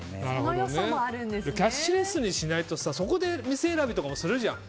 キャッシュレスにしないとそこで店選びとかもするじゃん。